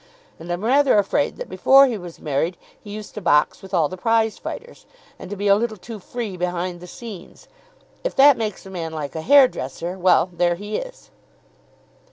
And I'm rather afraid that before he was married he used to box with all the prize fighters, and to be a little too free behind the scenes. If that makes a man like a hair dresser, well, there he is."